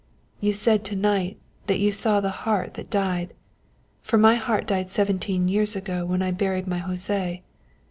"You said to night that you saw the heart that died for my heart died seventeen years ago when I buried my José.